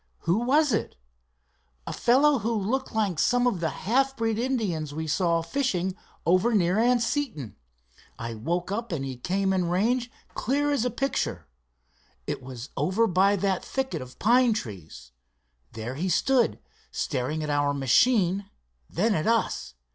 "Who was it?" "A fellow who looked like some of the half breed Indians we saw fishing over near Anseton. I woke up, and he came in range clear as a picture. It was over by that thicket of pine trees. There he stood, staring at our machine, then at us.